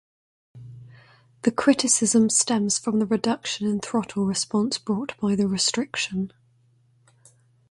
The criticism stems from the reduction in throttle response brought by the restriction.